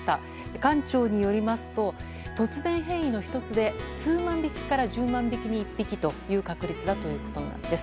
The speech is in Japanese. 館長によりますと突然変異の１つで数万匹から１０万匹に１匹という確率だということです。